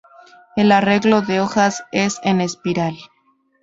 El arreglo de hojas es en espiral.